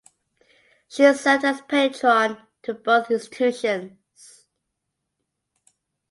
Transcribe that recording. She served as patron to both institutions.